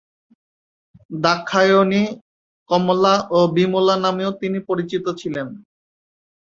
দাক্ষায়ণী, কমলা ও বিমলা নামেও তিনি পরিচিত ছিলেন।